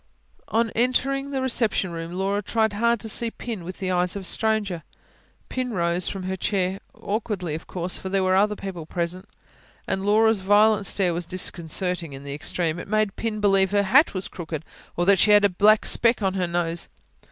On entering the reception room Laura tried hard to see Pin with the eyes of a stranger. Pin rose from her chair awkwardly, of course, for there were other people present, and Laura's violent stare was disconcerting in the extreme: it made Pin believe her hat was crooked, or that she had a black speck on her nose.